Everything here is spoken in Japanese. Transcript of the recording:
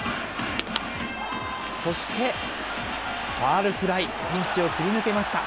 そしてファウルフライ、ピンチを切り抜けました。